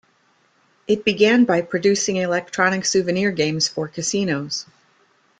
It began by producing electronic souvenir games for casinos.